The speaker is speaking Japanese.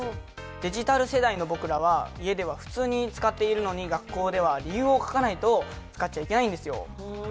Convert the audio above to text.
デジタル世代の僕らは家では普通に使っているのに学校では理由を書かないと使っちゃいけないんですよ。